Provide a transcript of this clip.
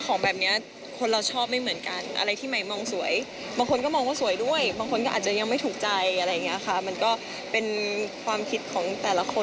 ของแบบนี้คนเราชอบไม่เหมือนกันอะไรที่ใหม่มองสวยบางคนก็มองว่าสวยด้วยบางคนก็อาจจะยังไม่ถูกใจอะไรอย่างนี้ค่ะมันก็เป็นความคิดของแต่ละคน